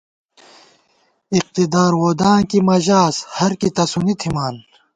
اقتدار ووداں کی مہ ژاس، ہر کی تسُونی تھِمان